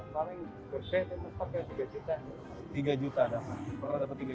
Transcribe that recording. yang paling gede ya paling gede itu sepatu tiga juta